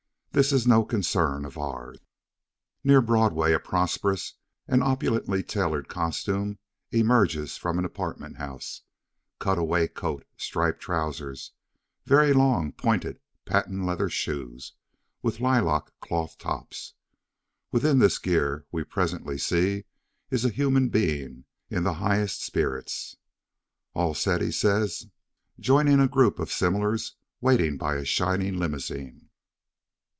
This is no concern of ours. Near Broadway a prosperous and opulently tailored costume emerges from an apartment house: cutaway coat, striped trousers, very long pointed patent leather shoes with lilac cloth tops. Within this gear, we presently see, is a human being, in the highest spirits. "All set!" he says, joining a group of similars waiting by a shining limousine.